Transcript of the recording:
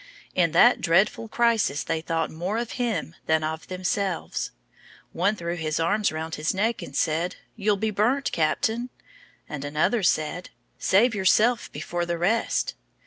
In that dreadful crisis they thought more of him than of themselves. One threw his arms round his neck and said: "You'll be burnt, Captain;" and another said: "Save yourself before the rest."